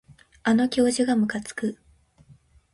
あの教授がむかつく